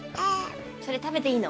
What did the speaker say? それ食べていいの？